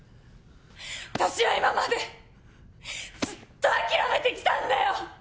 私は今までずっと諦めて来たんだよ！